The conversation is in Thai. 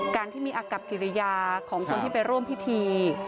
การที่มีอากับกิริยาของคนที่ไปร่วมพิธี